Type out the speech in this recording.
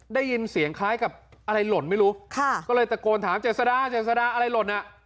ได้ยินเสียงคล้ายกับอะไรหล่นไม่รู้ค่ะก็เลยตะโกนถามเจษดาเจษดาอะไรหล่นอ่ะ